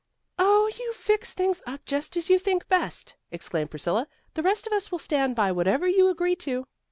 "Oh, you fix things up just as you think best," exclaimed Priscilla. "The rest of us will stand by whatever you agree to."